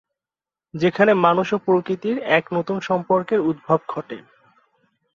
যেখানে মানুষ ও প্রকৃতির এক নতুন সম্পর্কের উদ্ভব ঘটে।